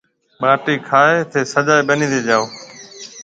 ٻاٽِي کائي ٿَي سجا ٻنِي تي جاو